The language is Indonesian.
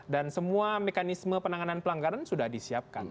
dan semua mekanisme penanganan pelanggaran sudah disiapkan